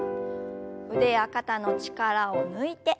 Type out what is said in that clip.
腕や肩の力を抜いて。